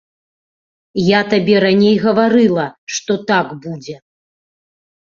Я табе раней гаварыла, што так будзе.